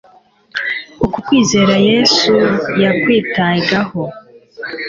Uku kwizera Yesu yakwitagaho.